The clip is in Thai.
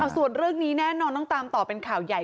ส่วนเรื่องนี้แน่นอนต้องตามต่อเป็นข่าวใหญ่